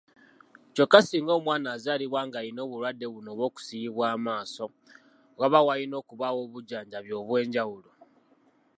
Kyokka singa omwana azaalibwa ng'ayina obulwadde buno obw'okusiiyibwa amaaso, waba wayina okubaawo obujjanjabi obw'enjawulo